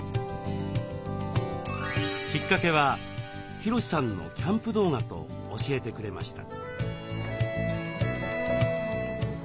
きっかけはヒロシさんのキャンプ動画と教えてくれました。